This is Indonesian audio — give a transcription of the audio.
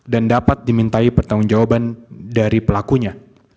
dan dapat dimintai pertanggung jawaban dari pelakunya